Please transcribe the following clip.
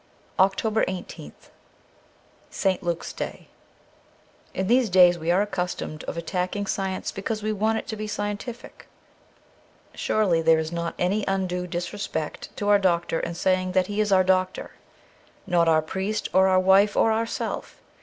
323 OCTOBER i8th ST. LUKE'S DAY IN these days we are accused of attacking science because we want it to be scientific. Surely there is not any undue disrespect to our doctor in saying that he is our doctor, not our priest or our wife or ourself.